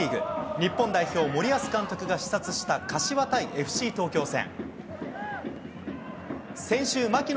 日本代表、森保監督が視察した柏対ＦＣ東京戦。